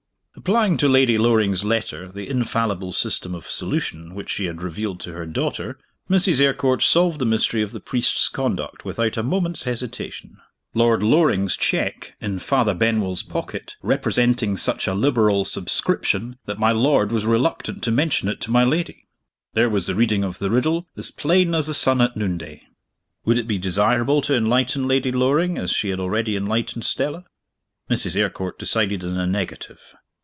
Applying to Lady Loring's letter the infallible system of solution which she had revealed to her daughter, Mrs. Eyrecourt solved the mystery of the priest's conduct without a moment's hesitation. Lord Loring's check, in Father Benwell's pocket, representing such a liberal subscription that my lord was reluctant to mention it to my lady there was the reading of the riddle, as plain as the sun at noonday! Would it be desirable to enlighten Lady Loring as she had already enlightened Stella? Mrs. Eyrecourt decided in the negative.